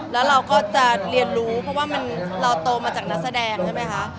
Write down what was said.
แล้วเราก็จะเรียนรู้เพราะว่าเราโตมาจากนักแสดงใช่ไหมคะ